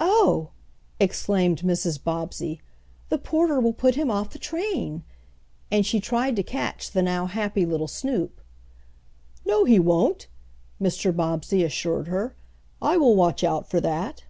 "Oh!" exclaimed Mrs. Bobbsey, "the porter will put him off the train!" and she tried to catch the now happy little Snoop. "No, he won't," Mr. Bobbsey assured her. "I will watch out for that."